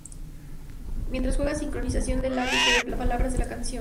Mientras juegan, sincronización de labios las palabras de la canción.